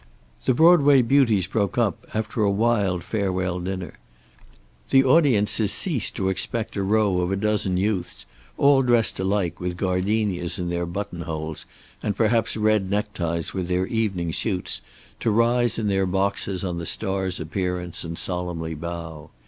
The Broadway Beauties broke up, after a wild farewell dinner. The audiences ceased to expect a row of a dozen youths, all dressed alike with gardenias in their buttonholes and perhaps red neckties with their evening suits, to rise in their boxes on the star's appearance and solemnly bow.